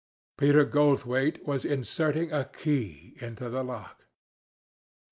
Peter Goldthwaite was inserting a key into the lock.